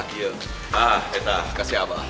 nah kita kasih apa